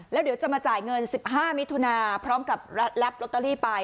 แล้วเดี๋ยวจะมาจ่ายเงิน๑๕มิถุนาพร้อมกับรับลอตเตอรี่ไป